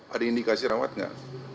ada indikasi rawat gak